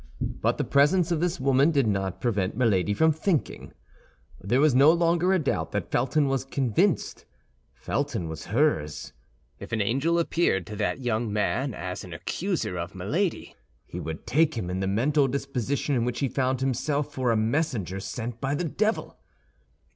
But the presence of this woman did not prevent Milady from thinking. There was no longer a doubt that Felton was convinced; Felton was hers. If an angel appeared to that young man as an accuser of Milady, he would take him, in the mental disposition in which he now found himself, for a messenger sent by the devil.